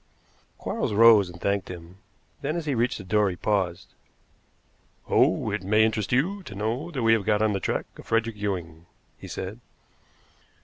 Quarles rose, and thanked him; then, as he reached the door, he paused. "Oh, it may interest you to know that we have got on the track of Frederick Ewing," he said.